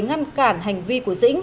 ngăn cản hành vi của dĩnh